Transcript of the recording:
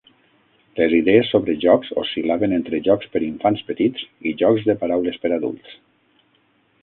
Les idees sobre jocs oscil·laven entre jocs per infants petits i jocs de paraules per adults.